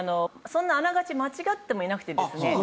そんなあながち間違ってもいなくてですね。